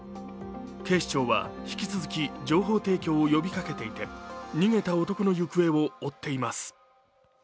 警視庁は引き続き情報提供を呼びかけていて逃げた男の行方を追っています。